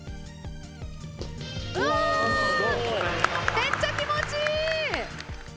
めっちゃ気持ちいい！